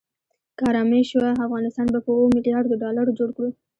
که آرامي شوه افغانستان به په اوو ملیاردو ډالرو جوړ کړو.